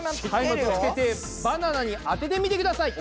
松明をつけてバナナに当ててみてください！